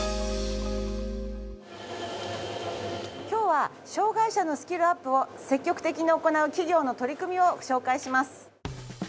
今日は障がい者のスキルアップを積極的に行う企業の取り組みを紹介します。